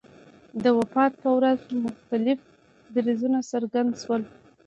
د وفات په ورځ مختلف دریځونه څرګند شول.